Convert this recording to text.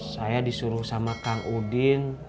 saya disuruh sama kang udin